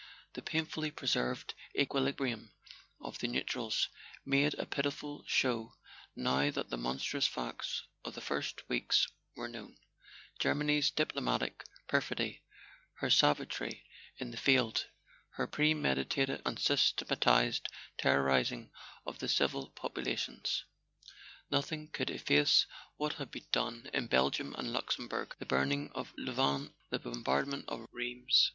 The painfully preserved equi¬ librium of the neutrals made a pitiful show now that the monstrous facts of the first weeks were known: Germany's diplomatic perfidy, her savagery in the field, her premeditated and systematized terrorizing of the civil populations. Nothing could efface what had been done in Belgium and Luxembourg, the burn¬ ing of Louvain, the bombardment of Rheims.